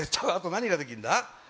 あと何ができるんだ？